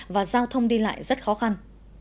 và giao thông đi lại rất khó khăn